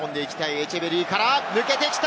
エチェベリーから抜けてきた！